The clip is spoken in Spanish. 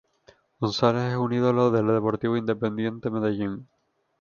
González es un ídolo del Deportivo Independiente Medellín.